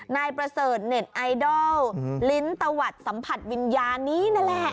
นายประเสริฐเน็ตไอดอลลิ้นตะวัดสัมผัสวิญญาณนี้นั่นแหละ